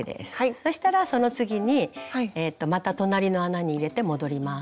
そしたらその次にまた隣の穴に入れて戻ります。